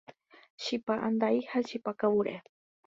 Chipa andai ha chipa kavure